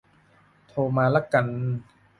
โทรมาละกัน